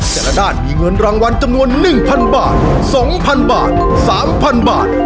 แต่ละด้านมีเงินรางวัลจำนวน๑๐๐บาท๒๐๐บาท๓๐๐บาท